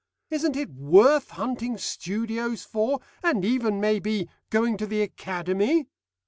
Isn't it worth hunting studios for, and even, maybe, going to the Academy?